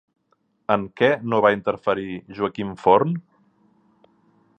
En què no va interferir Joaquim Forn?